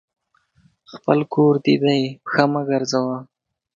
خپل کور دي دی ، پښه مه ګرځوه !